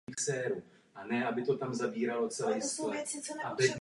Dveře ale zůstávají otevřené.